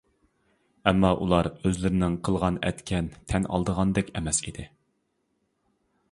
ئەمما ئۇلار ئۆزلىرىنىڭ قىلغان ئەتكەن تەن ئالىدىغاندەك ئەمەس ئىدى.